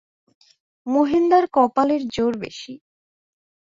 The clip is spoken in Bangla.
মহিনদার কপালের জোর বেশি।